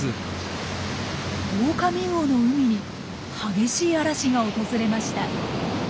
オオカミウオの海に激しい嵐が訪れました。